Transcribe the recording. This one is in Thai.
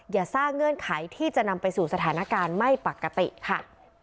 อย่าสร้างเงื่อนไขที่จะนำไปสู่สถานการณ์ไม่ปกติค่ะ